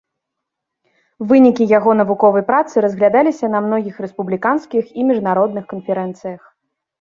Вынікі яго навуковай працы разглядаліся на многіх рэспубліканскіх і міжнародных канферэнцыях.